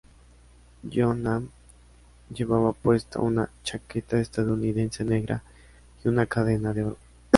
Jong-nam llevaba puesta una chaqueta estadounidense negra y una cadena de oro.